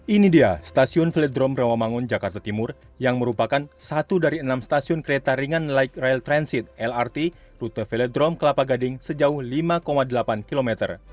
ini dia stasiun velodrome rawamangun jakarta timur yang merupakan satu dari enam stasiun kereta ringan light rail transit lrt rute velodrome kelapa gading sejauh lima delapan km